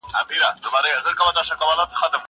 زه هره ورځ مکتب ته ځم!!